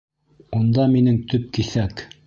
Унда минең төп киҫәк!